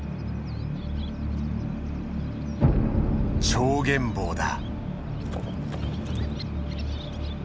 チョウゲンボウだ。